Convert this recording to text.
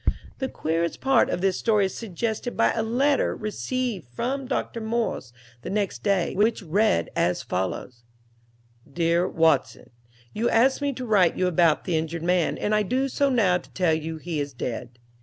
The queerest part of this story is suggested by a letter received from Dr. Morse the next day, which read as follows: DEAR WATSON: You asked me to write you about the injured man, and I do so now to tell you he is dead.